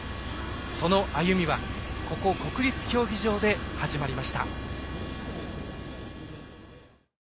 その歩みはここ国立競技場で始まりました。